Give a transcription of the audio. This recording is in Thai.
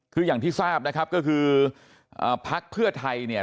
คืออย่างที่ทราบนะครับก็คือพักเพื่อไทยเนี่ย